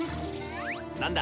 何だ？